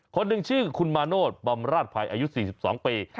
คนหนึ่งชื่อคุณมาโนธบำราชภัยอายุ๔๒ปี